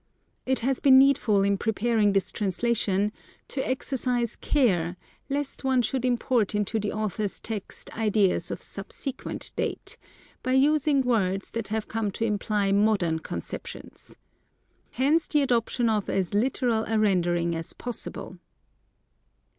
It has been needful in preparing this translation to exercise care lest one should import into the author's text ideas of subsequent date, by using words that have come to imply modern conceptions. Hence the adoption of as literal a rendering as possible.